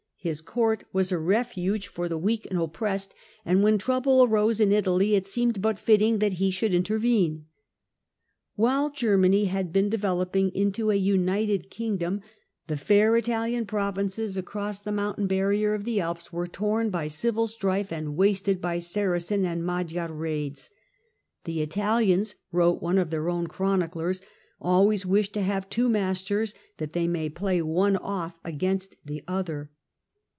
His court was a refuge for the B THE SAXON EMPERORS 11 oppressed, and when trouble arose in Italy it seemed but fitting that he should intervene. While Germany had been developing into a united Italy in kingdom, the fair Italian provinces across the mountain century barrier of the Alps were torn by civil strife and wasted by Saracen and Magyar raids. " The Italians," wrote one of their own chroniclers, " always wish to have two masters, that they may play one off against the other."